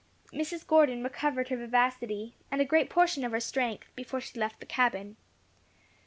Mrs. Gordon recovered her vivacity, and a great portion of her strength, before she left the cabin.